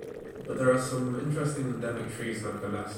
But there are some interesting endemic trees nevertheless.